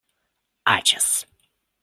Aĉas.